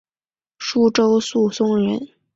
舒州宿松人。